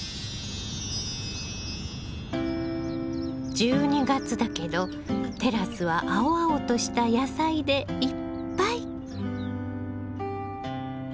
１２月だけどテラスは青々とした野菜でいっぱい。